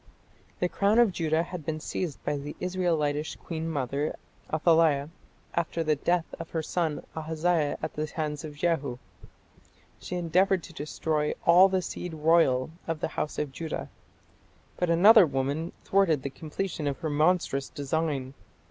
The crown of Judah had been seized by the Israelitish Queen mother Athaliah after the death of her son Ahaziah at the hands of Jehu. She endeavoured to destroy "all the seed royal of the house of Judah". But another woman thwarted the completion of her monstrous design.